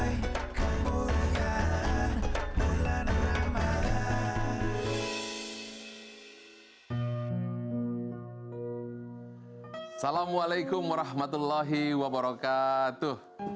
assalamualaikum warahmatullahi wabarakatuh